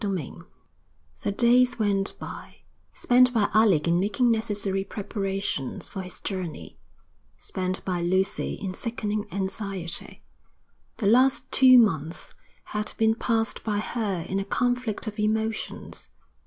XXI The days went by, spent by Alec in making necessary preparations for his journey, spent by Lucy in sickening anxiety. The last two months had been passed by her in a conflict of emotions.